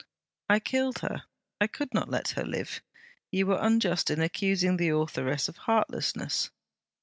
'I killed her; I could not let her live. You were unjust in accusing the authoress of heartlessness.'